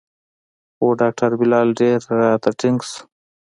خو ډاکتر بلال ډېر راته ټينګ سو.